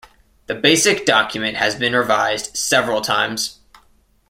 The basic document has been revised several times.